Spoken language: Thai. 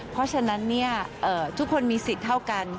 เพราะฉะนั้นทุกคนมีสิทธิ์เท่ากัน